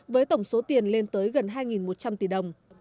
với tổng số tiền lên tới gần hai một trăm linh tỷ đồng